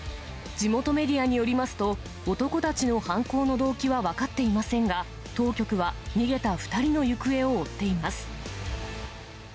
地元メディアによりますと、男たちの犯行の動機は分かっていませんが、当局は逃げた２人の行方を追っています。